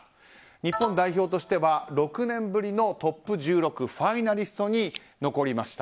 日本代表としては６年ぶりのトップ１６ファイナリストに残りました。